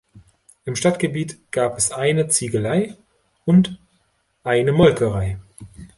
Im Stadtgebiet gab es eine Ziegelei und eine Molkerei.